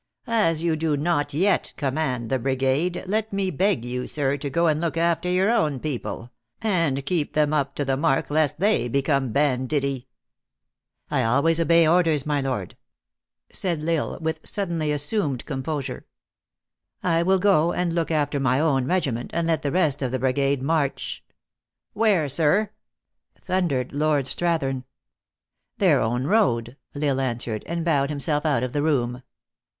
" As you do not yet command the brigade, let me beg you, sir, to go and look after your own people, and keep them up to the mark, lest they become banditti !"" I always obey orders, my lord," said L Isle, with suddenly assumed composure; "I will go and look after my own regiment, and let the rest of the brigade march" " Where, sir?" thundered Lord Strathern. " Their own road," L Isle answered, and bowed himself out of the room.